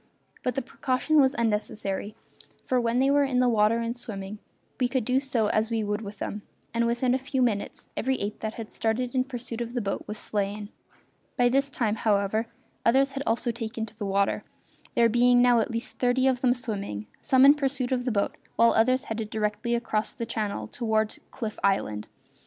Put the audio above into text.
But the precaution was unnecessary, for when they were in the water and swimming we could do as we would with them, and within a few minutes every ape that had started in pursuit of the boat was slain. By this time, however, others had also taken to the water, there being now at least thirty of them swimming, some in pursuit of the boat while others headed directly across the channel toward Cliff Island.